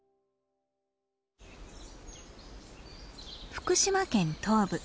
福島県東部。